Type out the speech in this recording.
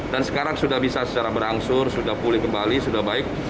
dan sekarang sudah bisa secara berangsur sudah pulih kembali sudah baik